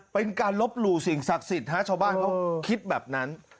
เป็นการลบหลู่สิ่งศักดิ์สิทธิ์ฮะชาวบ้านเขาคิดแบบนั้น